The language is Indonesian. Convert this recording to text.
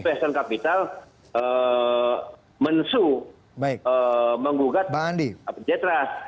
weston capital mensuh menggugat jitras